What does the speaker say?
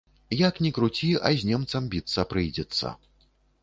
Як ні круці, а з немцам біцца прыйдзецца.